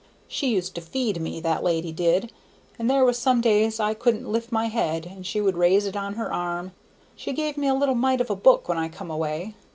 She used to feed me, that lady did; and there were some days I couldn't lift my head, and she would rise it on her arm. She give me a little mite of a book, when I come away.